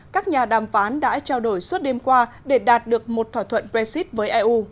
các nhà đàm phán đã trao đổi suốt đêm qua để đạt được một thỏa thuận brexit với eu